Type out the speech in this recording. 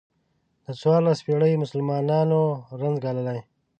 دا څوارلس پېړۍ مسلمانانو رنځ ګاللی.